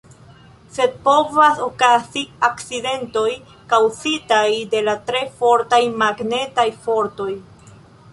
Sed povas okazi akcidentoj kaŭzitaj de la tre fortaj magnetaj fortoj.